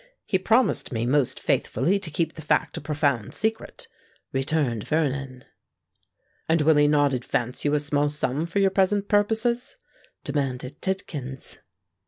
"He promised me most faithfully to keep the fact a profound secret," returned Vernon. "And will he not advance you a small sum for your present purposes?" demanded Tidkins.